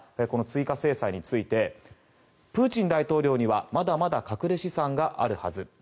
この追加制裁についてプーチン大統領にはまだまだ隠れ資産があるはず